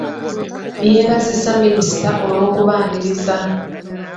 Yeebaziza Minisita olw'okubaaniriza.